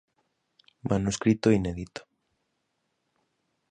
Manuscrito inédito.